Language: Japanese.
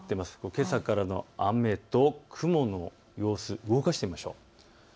けさからの雨と雲の様子、動かしてみましょう。